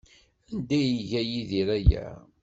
Anda ay iga Yidir aya?